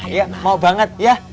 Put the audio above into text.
ya mau banget ya